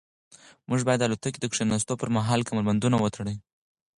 موږ باید د الوتکې د کښېناستو پر مهال کمربندونه وتړو.